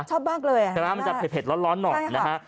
ชอบมากเลยนะฮะมันจะเผ็ดเผ็ดร้อนร้อนหน่อยนะฮะใช่ค่ะ